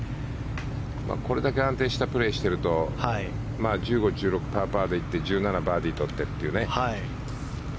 これだけ安定したプレーしていると１５、１６をパー、パーでいって１７バーディーとってというね。